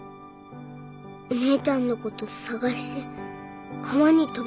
お姉ちゃんのこと捜して川に飛び込んだの。